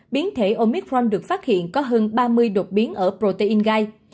biến thể omitforn được phát hiện có hơn ba mươi đột biến ở protein gai